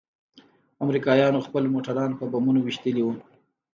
امريکايانو خپل موټران په بمونو ويشتلي وو.